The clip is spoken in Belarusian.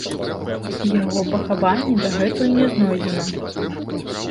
Яго пахаванне дагэтуль не знойдзена.